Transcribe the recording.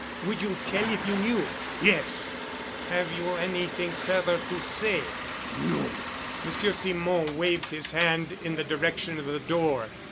"Would you tell if you knew?" "Yes." "Have you anything further to say?" "No." Monsieur Simon waved his hand in the direction of the door.